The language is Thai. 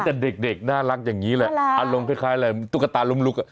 แต่เด็กน่ารักอย่างนี้แหละอารมณ์คล้ายอะไรตุ๊กตาล้มลุกอ่ะ